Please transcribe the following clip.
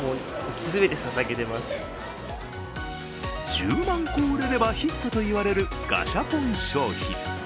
１０万個売れればヒットといわれるガシャポン商品。